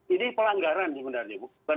ini pelanggaran sebenarnya